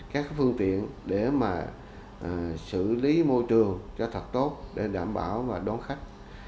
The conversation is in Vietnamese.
các phương tiện để mà xử lý môi trường cho thật tốt để đảm bảo và đón khách